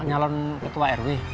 minggu ketua airway